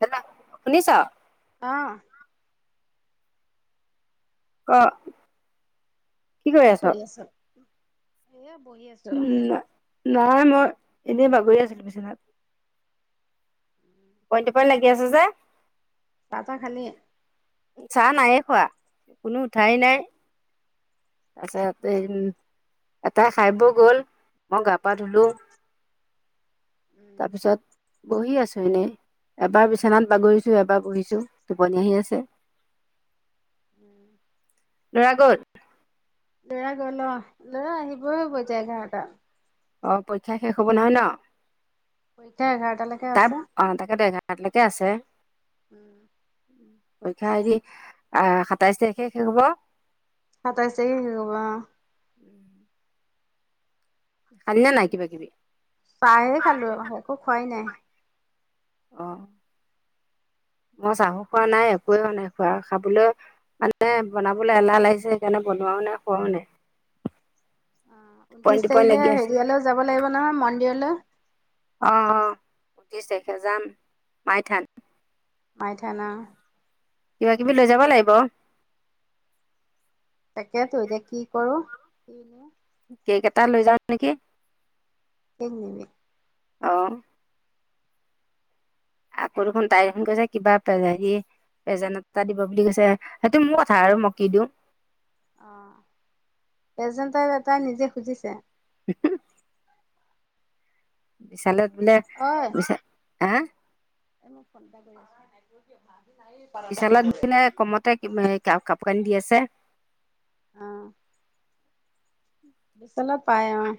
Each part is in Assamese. হেল্ল' শুনিছ আহ ক কি কৰি আছ এয়া বহি আছো উম নাই মই এনেই বাগৰি আছিলো বিচনাত টোপনি টোপনি লাগি আছে যে চাহ তাহ খালি চাহ নাইে খোৱা কোনো উঠাই নাই তাৰপিছত উ এটাই খাই বৈ গল মই গা পা ধুলো তাৰ পিছত বহি আছো এনেই এবাৰ বিচনাত বাগৰিছো এবাৰ বুহিছো টোপনি আহি আছে। উম লৰা গল লৰা গল অ লৰা আহিবই হব এঘাৰটাত। অ পৰীক্ষা শেষ হব নহয় ন পৰীক্ষা এঘাৰটালৈকে তাত আছে। আহ তাকে এঘাৰটালৈকে আছে। উম পৰীক্ষা হেৰি আহ সাতাইশ তাৰিখে শেষ হব। সাতাইশ তাৰিখে খুলিব অহ উম। কিবি চাহে খালো একো খোৱাই নাই। আহঁ মই চাহু খোৱা নাই একোৱে খোৱা নাই। খোৱা খাবলৈ মানে বনাবলৈ এলাহ লাগিছে সেইকাৰণে বনোৱাও নাই খোৱাও নাই। [inaudible] অ টোপনি ঊনত্ৰিশ টোপনি তাৰিখে লাগি আছে হেৰিয়ালৈও যাব লাগিব নহয় মন্দিৰলৈ আহ অ সুধিছে যাম মাই থান। মাই থান। কিবা কিবি লৈ যাব লাগিব তাকেতো এতিয়া কি কৰো কিন কেক এটা লৈ যাও নেকি। তেঙনে। আহ আক দেখোন তাই দেখোন কৈছে কিবা প যায় পেজেণ্ট এটা দিব বুলি কৈছে সেইটো মোৰ কথা আৰু মইকি দিওঁ। আহ এজেণ্টৰ এটা নিজে খুজিছে। [inaudible] বিশালত বোলে বিশ হ। এ ম ফলটা গৈ আছো বিশালত দিনে কমতে কাপ কানি দি আছে। আহ বিশালত পাই অঁ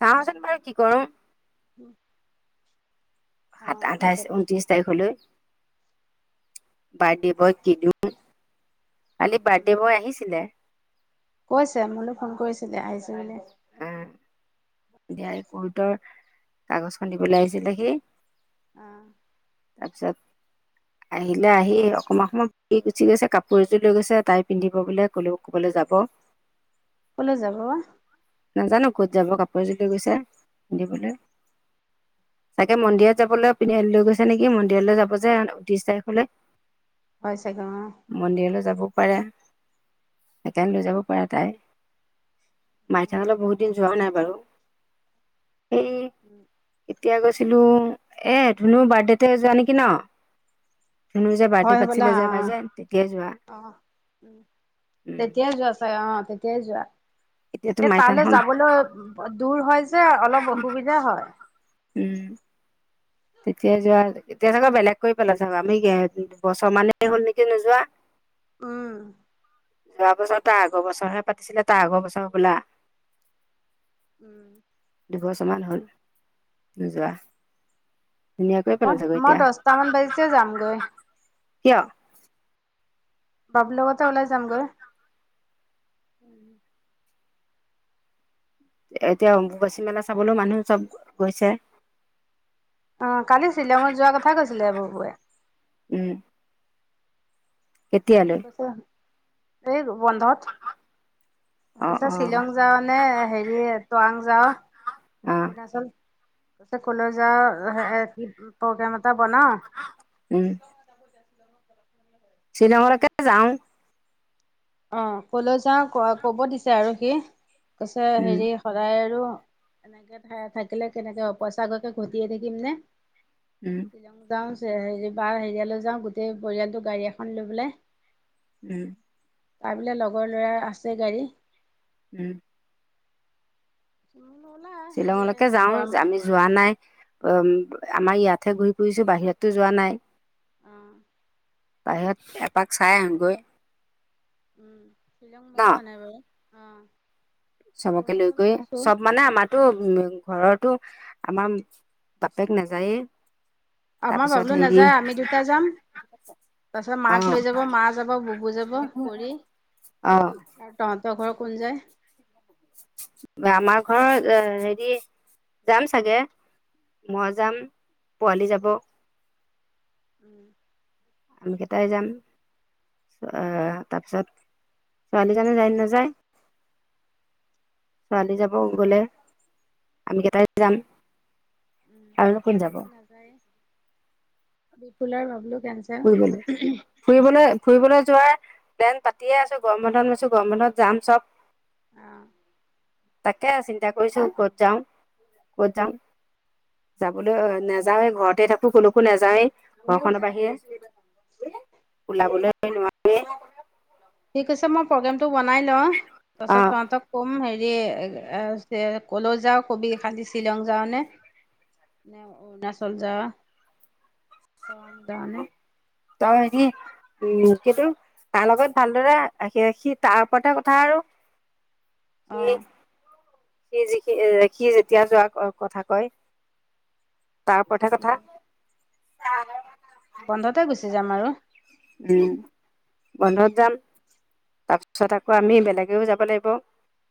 চাওঁচোন বাৰু কি কৰো উম। সাত আঠাইশ ঊনত্ৰিশ তাৰিখলৈ বাই দিবই কিনো কালি উম বাৰ্থডে বই আহিছিলে। কৈছে মোলৈ ফোন কৰিছিলে আহিছো বুলি। আহ দিয়া পহতৰ কাগজখন দিবলৈ আহিছিলে সি। আহ তাৰপিছত আহিলে আহি অকমান সময় প গুচি গৈছে কাপোৰ এযোৰ লৈ গৈছে তাই পিন্ধিব বোলে ক'লে ক'ব লাগ যাব। কলে যাব। নাজানো ক'ত যাব কাপোৰ এযোৰ লৈগৈছে পিন্ধিবলৈ চাগে মন্দিৰত যাবলৈ লৈ গৈছে নেকি মন্দিৰলৈ যাব যে ত্ৰিছ তাৰিখলৈ হয় চাগে অ মন্দিৰলৈ যাব। পাৰে সেইকাৰণে লৈ যাব পাৰে তাই মাইথলপ বহুত দিন যোৱা নাই বাৰু সেই এতিয়া গৈছে ছিলো এ ধুনুৰ বাৰ্থডেতে যোৱা নেকি ন। চুনো যে হয় বাৰ্টি হবলা পাতিছিলে যে অ এবাই যে তেতিয়াই যোৱা। অ উম উম তেতিয়াই যোৱা চাগে- অ' তেতিয়াই যোৱা। এতিয়াতো এ তালৈ মাইথানখন যাবলৈ দূৰ হয় যে, অলপ অসুবিধা হয়। উম। তেতিয়াই যোৱা, এতিয়া চাগে বেলেগ কৰি পেলাইছে হয়। আমি এয়া বছৰ মানেই হ'ল নেকি নোযোৱা? উম। যোৱা বছৰ তাৰ আগৰ বছৰহে পাতিছিলে। তাৰ আগৰ বছৰ হবলা উম। কিছুমান হ'ল নোযোৱা। ধুনীয়াকৈ পেলালে মই- চাগৈ মই এতিয়া দছটামান বাজিতে যামগৈ। কিয়? বাব্লু লগতে ওলাই যাম গৈ। এতিয়া অম্বুবাচী মেলা চাবলৈও মানুহ চব গৈছে। অ' কালি শ্বিলঙত যোৱা কথা কৈছিলে বুবুৱে। উম। কেতিয়ালৈ কৈছে- এই ৰো বন্ধত। অ কৈছে অ শ্বিলং যাওঁ নে হেৰি টৱাং যাওঁ? অ অৰুণাচল। কৈছে কলৈ যাওঁ হ- কি প্ৰগ্ৰাম এটা বনাও। উম উম। শ্বিলঙলৈকে যাওঁ। অ', কলৈ যাওঁ ক- কব দিছে আৰু সি। কৈছে উম হেৰি সদায় আৰু এনেকে থাকিলে কেনেকে অ'- পইচাককে ঘটিয়ে থাকিম নে? উম শ্বিলঙ যাওঁ হেৰি বা হেৰিয়ালৈ যাওঁ, গোটেই পৰিয়ালটো গাড়ী এখন লৈ পেলাই। উম। তাৰ বোলে লগৰ ল'ৰাৰ আছে গাড়ী। উম। ওলা হেৰি শ্বিলঙলৈকে যাওঁ। গৰম আমি বন্ধতে যোৱা নাই। উম আমাৰ ইয়াতহে ঘূৰি ফুৰিছোঁ, বাহিৰততো যোৱা নাই। অ'। বাহিৰত এপাক চাই আহো গৈ। উম, শ্বিলং ময়ো যোৱা নাই বাৰু। অ'। চবকে লৈ অৰুণাচল গৈ, গৈছো চব মানে শ্বিলং আমাৰতো গৈছো। উ- ঘৰৰটো আমাৰ বাপেক নাযায়ে। আমাৰ তাৰপিছত বাব্লু হেৰি নাযায়, আমি দুটা যাম। তাৰ পিছত অ মাক লৈ যাব, মা যাব, বুবু যাব, পৰি অ আৰু তহঁত। ঘৰৰ কোন যায়? আমাৰ ঘৰৰ এ হেৰি, যাম চাগে। মই যাম, পোৱালি যাব। উম। আমি কেইটাই যাম। অ' তাৰপিছত ছোৱালীজনী যায় নে নাযায়। ছোৱালী যাব গ'লে। আমি কেইটাই যাম। উম। আৰু কোন যাব বিপুলটো নাযায়ে, বিপুলৰ বাব্লু ফুৰিবলৈ। ফুৰিবলৈ- ফুৰিবলৈ যোৱাৰ প্লেন পাতিয়ে আছোঁ গৰম বন্ধত। মইছো গৰম বন্ধত যাম চব। অ'। তাকে চিন্তা কৰিছোঁ ক'ত যাওঁ, ক'ত যাওঁ। যাবলৈ নাযাৱে ঘৰতে থাকোঁ। কোনকো নেযায়, ঘৰখনৰ বাহিৰে। ওলাবলৈ নোৱাৰিয়ে। ঠিক আছে, মই প্ৰগ্ৰেমটো বনাই লওঁ। তাৰ অ পিছত তহঁতক ক'ম হে সেই কলৈ যাও কবি খালি শ্বিলং যাও নে? অৰুণাচল যাও? যাওঁ নে তই এনেই উম, সেইটো তাৰ লগত ভালদৰে সি সি তাৰ ওপৰতে কথা আৰু। আহ। সি সি যিখি সি যেতিয়া যোৱা কথা কয় তাৰ ওপৰত হে কথা। বন্ধতে গুচি যাম আৰু। উম, বন্ধত যাম তাৰপিছত আকৌ আমি বেলেগেও যাব লাগিব।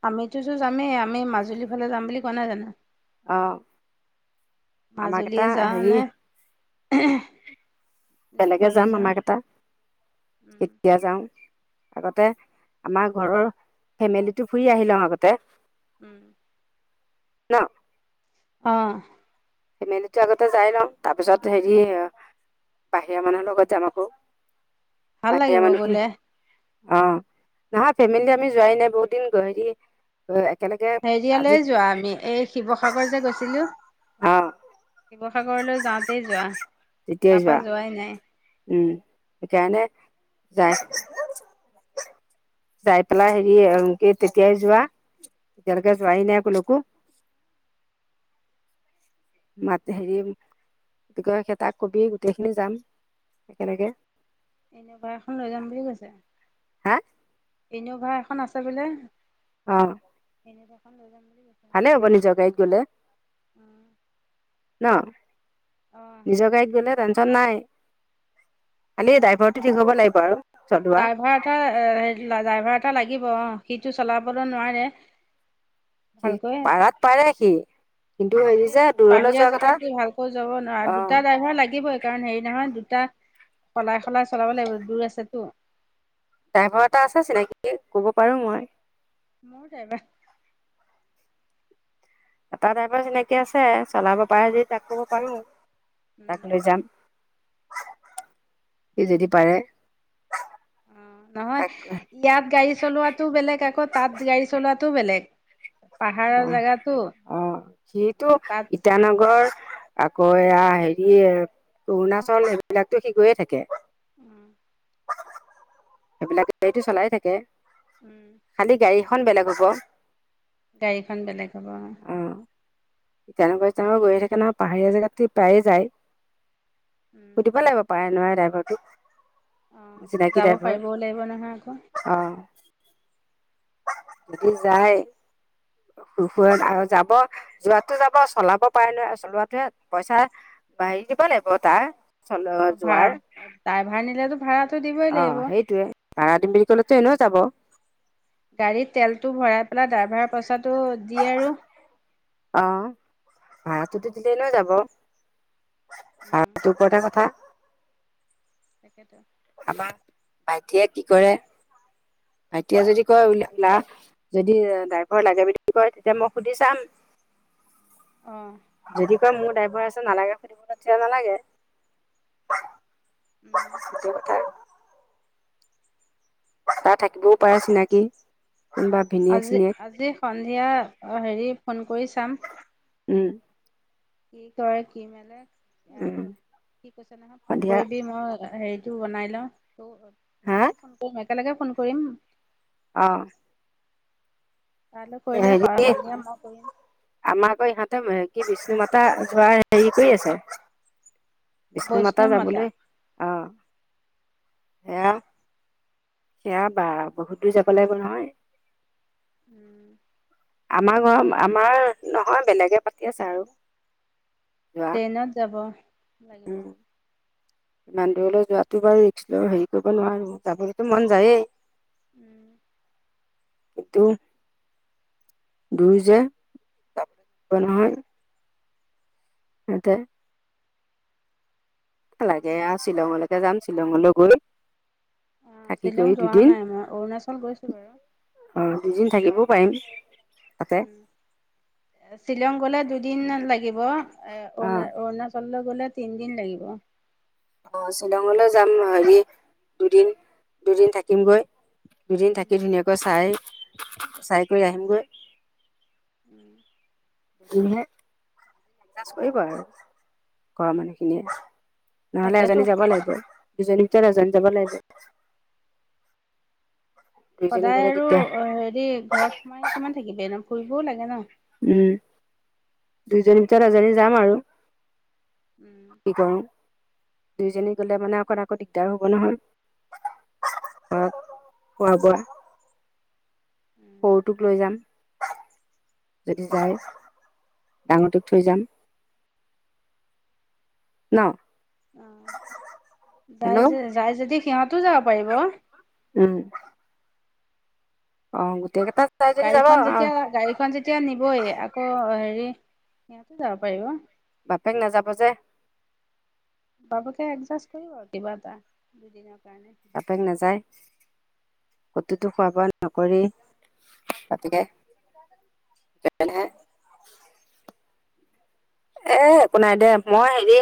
আমিতো যামেই, আমি মাজুলীৰ ফালে যাম বুলি কোৱা নাই জানো? আহ আমাক এটা মাজুলীয়ে যাওঁ হেৰি নে নে বেলেগে কলৈ যাম যাওঁ আমাক এটা কেতিয়া যাও। আগতে আমাৰ ঘৰৰ ফেমিলিতো ফুৰি আহি লওঁ আগতে। উম। ন। আহ। ফেমিলি তো আগতে যাই লওঁ তাৰপিছত হেৰি। বাহিৰা মানুহ লগত যাম্ আক। ভাল লাগিব গলে। অ নহয় ফেমিলি আমি যোৱাই নাই বহুত দিন গ হেৰি। একেলগে হেৰিয়ালে আজি যোৱা আমি এই শিৱসাগৰ যে গৈছিলো। অ। শিৱসাগৰলৈ যাওঁতেই যোৱা, তেতিয়াই তাপা যোৱা যোৱাই নাই। উম সেইকাৰনে যাই। যাই পেলাই হেৰি সে তেতিয়াই যোৱা এতিয়ালৈকে যোৱাই নাই কলৈকো। [unintelligible] মাত হেৰি, কি তাক কবি গোটেই খিনি যাম একেলকে। ইন'ভা এখন লৈ যাম বুলি কৈছে হা। ইন'ভা এখন আছে বোলে। অ। এনে দে এখন লৈ যাম। [unintelligible] ভালে হ'ব নিজৰ গাড়ীত গলে ন। অঁ নিজৰ গাড়ীত গ'লে টেনচন নাই, খালি ড্ৰাইভাৰটো ঠিক হ'ব লাগিব আৰু। চলোৱা ড্ৰাইভাৰ এটা ড্ৰাইভাৰ এটা লাগিব অ সিটো চলাবলৈ নোৱাৰে। কি পাৰাত পাৰে কি। এ বাহিৰা জেগাত সি ভালকৈ যাব নোৱাৰ অঁ দুটা ড্ৰাইভাৰ লাগিব। কাৰণ হেৰি নহয় দুটা সলাই সলাই চলাব লাগিব দূৰ আছেতো। ড্ৰাইভাৰ এটা আছে চিনাকি ক'ব পাৰো মই। ম চাইব। এটা ড্ৰাইভাৰ চিনাকি আছে চলাব পাৰে যদি তাক কব পাৰো। তাক লৈ যাম সি যদি পাৰে। অ নহয় তাক ইয়াত গাড়ী চলোৱাতটো বেলেগ আকৌ তাত গাড়ী চলোৱা। টো বেলেগ। পাহাৰৰ অ জেগাতো অ সিটো তাত ইটানগৰ। আকৌ এয়া হেৰি অৰুণাচল এইবিলাকতো শি গৈয়ে থাকে। উম। সেইবিলাকে গাড়ীটো চলাই থাকে উম, খালি গাড়ীখন বেলেগ হব। গাড়ীখন বেলেগ হ'ব। তেনেকুৱা স্হানত [unintelligible] গৈয়ে থাকে না পাহাৰীয়া জেগাত প্ৰায়ে যায়। উম সুধিব লাগিব পাৰে নোৱাৰে ড্ৰাইভাৰ অ তোক। চিনাকি যাব পাৰিবও লাগিব নহয় আকৌ ড্ৰাইভৰ অ। সতি যায়। সু আৰু যাব যোৱাতটো যাব চলাব পাৰে ন চলোৱাতহে পইচা। ভাইজ ভলে পতা। অ ভাড়া তাই ভাড়া নিলেতো ভাড়াটো। দিবই অ লাগিব সেইটয়ে ভাৰাডিম বুলি কলেতো এনেও যাব। গাড়ীত তেলটো ভৰাই পেলাই ড্ৰাইভাৰ পইচাটো দিয়ে আৰু। অ ভাৰাটোতো দিলে এনেও যাব, উম, ভাৰাটোৰ ওপৰতহে কথা। তাকেইেতো। আমাৰ ভাইটিয়ে কি কৰে। মাইটি যদি কয় উওল ওলা। যদি ড্ৰাইভৰ লাগে বুলি কয় তেতিয়া মই সুধি চাম। অ যদি। মোৰ ড্ৰাইভাৰ আছে নালাগে সুধিবলৈঠয়া নালাগে। উম, সটাই। তাৰ থাকিবও পাৰে চিনাকি। কোনোবা ভিনিয়েক আজি চিনিয়েক আজি সন্ধিয়া হেৰি ফোন কৰি চাম। উম! কি কৰে কি মেলে উম কি কৈছে নহয় ফোন সন্ধিয়া কৰিবি মই হেৰি। বনাই ল ত তোৰ হা লগো ফোন কৰিম একেলগে ফোন কৰিম। অ। তালৈ কৰিলে হেৰি সন্ধিয়া মই কৰিম আমাৰ আকৌ ইহঁতে মে। কি বিষ্ণু মাতা যোৱা হেৰি কৰি আছে। বিষ্ণু মাতা যাবলৈ আহ সেয়া। সেয়া বা বহুত দূৰ যাব লাগিব নহয়। উম, আমাৰ ঘৰৰ আমাৰ নহয়। বেলেগে পাতি আছে আৰু। যোৱা ট্ৰেইনত যাব লাগিব। উম ইমান দূৰলৈ যোৱাতটো বাৰু ৰিক্স ত হেৰি কৰিব নোৱাৰো যাবলৈতো মন যায়েই। উম! কিটো দূৰ যে। উম, নহয়। মতে। লাগে আহ শ্বিলঙলৈকে যাম শ্বিলঙলৈ গৈ। আহ থাকি শ্বিলং কৰি যোৱা দুদিন নাই মই অৰুণাচল গৈছোঁ বাৰু। পয়ম। উম শ্বিলং গলে দুদিন লাগিব। এ অ অণ অৰুণাচললৈ গলে তিনদিন লাগিব। আহ শ্বিলঙলৈ যাম হেৰি দুদিন দুদিন থাকিমগৈ। দুদিন থাকি ধুনীয়াকৈ চাই, চাই কৰি আহিমগৈ। হে কৰিব আৰু ঘৰৰ মানুহখিনিয়ে। নহলে তাকেতো এজনী যাব লাগিব দুজনী। এজনী যাব লাগিব। দুইজনী সদায় গ'লে আৰু দিগদাৰ অ হেৰি ঘৰত সোমাই কিমান থাকিবি ন ফুৰিবও লাগে ন। উম! দুইজনীৰ ভিতৰত এজনী যাম আৰু। উম! কি কৰোঁ দুইজনী গলে মানে অকণ আকৌ দিগদাৰ হব নহয়। অ কোৱা, কোৱা-। উম। সৰুটোক লৈ যাম। যদি যায়, ডাঙৰটোক থৈ যাম। ন। আহ যাই হেল্ল' যে যাই যদি সিহঁতও যাব পাৰিব। উম! অ গোটেইকেইটা গাড়ীখন যেতিয়া গাড়ীখন যেতিয়া নিবই আকৌ হেৰি ইহঁতে যাব পাৰিব। বাপেক নাযাব যে। বাপকে এডজাষ্ট কৰিব আৰু কিবা এটা দুদিনৰ। কাৰণে। বাপেক নাযায়। কতোতো খোৱা বোৱা নকৰেই বাপেকে। উম, এনেই। এ একো নাই দে মই হেৰি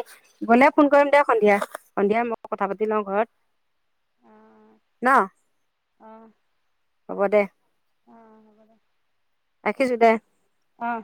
গলে ফোন কৰিম দে সন্ধিয়া, সন্ধিয়া মই কথা পাতি লওঁ ঘৰত। অ', ন। অ', হ'ব দে অ হ'ব দে ৰাখিছো দে অহ